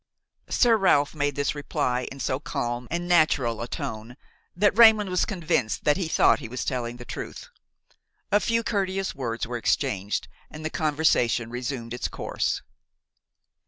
Sir Ralph made this reply in so calm and natural a tone that Raymon was convinced that he thought he was telling the truth. A few courteous words were exchanged and the conversation resumed its course.